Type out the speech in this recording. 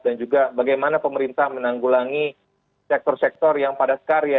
dan juga bagaimana pemerintah menanggulangi sektor sektor yang pada sekarya